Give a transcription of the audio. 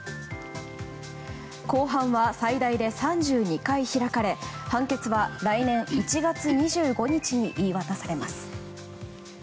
公判は最大で３２回開かれ判決は来年１月２５日に言い渡されます。